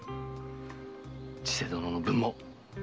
千世殿の分も！